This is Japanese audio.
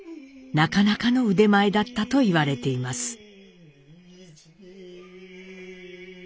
なかなかの腕前だったといわれています。